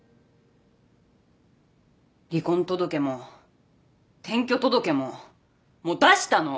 離婚届も転居届ももう出したの！